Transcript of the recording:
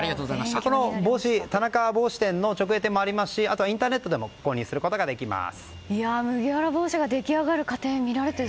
この帽子田中帽子店の直営店もありますしあとはインターネットでも購入することができます。